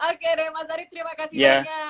oke deh mas arief terima kasih banyak